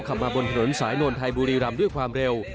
ขับมาบนถนนสายนวลไทยบุรีรำด้วยความเร็ว